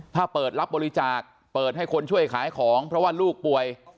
ถ้าเปิดรับบริจาคเปิดให้คนช่วยขายของเพราะว่าลูกป่วย